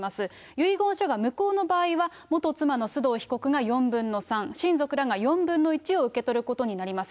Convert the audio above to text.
遺言書が無効の場合は元妻の須藤被告が４分の３、親族らが４分の１を受け取ることになります。